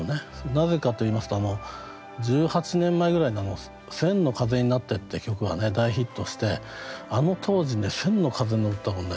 なぜかといいますと１８年前ぐらいに「千の風になって」って曲がね大ヒットしてあの当時ね千の風の歌をね